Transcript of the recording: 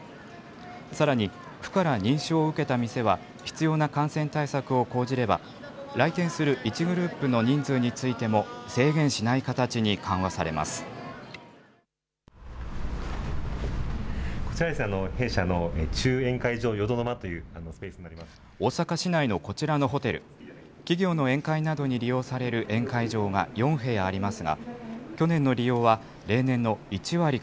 さらに府から認証を受けた店は、必要な感染対策を講じれば、来店する１グループの人数についても、制限しない形に緩和されまこちら、弊社の中宴会場、よどがわというスペースになります。